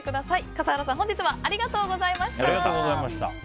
笠原さん、本日はありがとうございました。